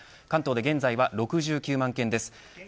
関東で現在は６９万軒です。